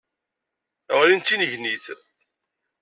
Ɣlin d tinnegnit.